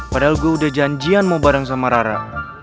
padahal gue udah janjian mau bareng sama rara